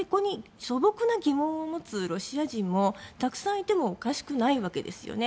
素朴な疑問を持つロシア人もたくさんいてもおかしくないわけです。